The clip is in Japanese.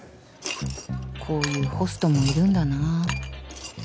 こういうホストもいるんだな。